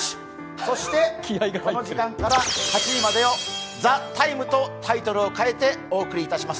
そしてこの時間から８時までを「ＴＨＥＴＩＭＥ，」とタイトルを変えて送りいたします。